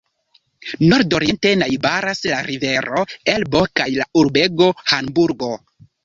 Nordoriente najbaras la rivero Elbo kaj la urbego Hamburgo.